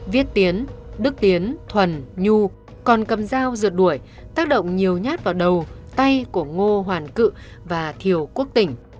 viết tiến đức tiến thuần nhu còn cầm dao rượt đuổi tác động nhiều nhát vào đầu tay của ngô hoàn cự và thiều quốc tỉnh